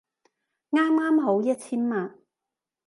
啱啱好一千萬